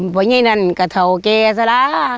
ว่าเง่นน่นกะเทาแก่สล๊ะ